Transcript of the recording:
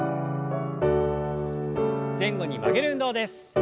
前後に曲げる運動です。